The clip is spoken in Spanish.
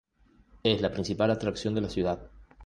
Es la principal atracción de la ciudad.